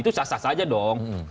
itu sasar saja dong